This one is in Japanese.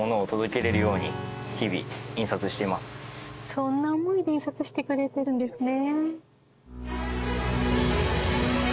そんな思いで印刷してくれてるんですね。